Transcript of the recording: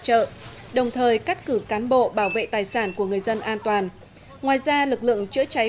trợ đồng thời cắt cử cán bộ bảo vệ tài sản của người dân an toàn ngoài ra lực lượng chữa cháy